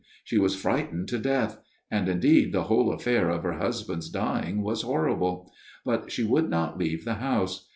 She was frightened to death ; and, indeed, the whole affair of her husband's dying was horrible. But she would not leave the house.